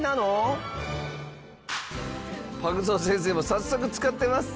パグゾウ先生も早速使ってます。